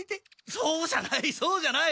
そうじゃないそうじゃない！